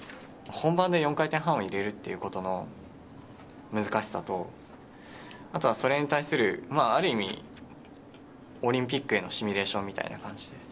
本番で４回転半を入れるということの難しさと、あとはそれに対するある意味、オリンピックへのシミュレーションみたいな感じ。